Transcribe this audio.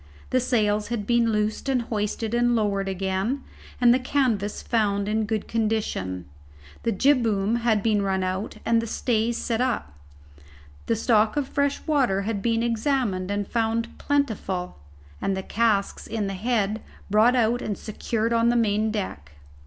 The sails had been loosed and hoisted and lowered again, and the canvas found in good condition. The jibboom had been run out, and the stays set up. The stock of fresh water had been examined and found plentiful, and the casks in the head brought out and secured on the main deck.